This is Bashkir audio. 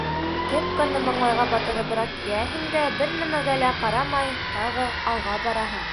Кепканы маңлайға батырыбыраҡ кейәһең дә, бер нәмәгә лә ҡарамай, тағы алға бараһың.